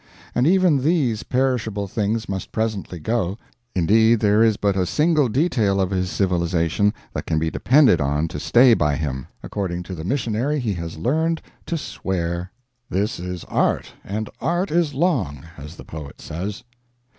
And even these perishable things must presently go. Indeed, there is but a single detail of his civilization that can be depended on to stay by him: according to the missionary, he has learned to swear. This is art, and art is long, as the poet says.